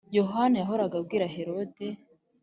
Yohana yahoraga abwira Herode